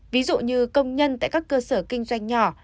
ví dụ như công nhân tại các cơ sở kinh doanh nhỏ